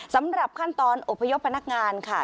สำหรับขั้นตอนอพยพพนักงานค่ะ